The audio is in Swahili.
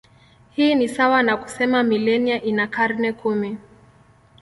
Hii ni sawa na kusema milenia ina karne kumi.